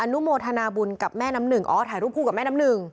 นุโมทนาบุญกับแม่น้ำหนึ่งอ๋อถ่ายรูปคู่กับแม่น้ำหนึ่ง